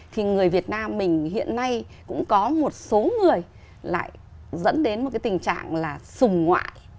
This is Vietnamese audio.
thì người việt nam mình hiện nay cũng có một số người lại dẫn đến một cái tình trạng là sùng ngoại